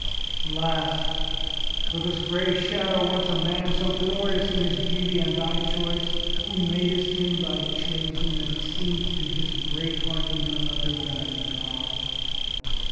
Alas! for this gray shadow, once a man So glorious in his beauty and thy choice, Who madest him thy chosen, that he seem'd To his great heart none other than a God!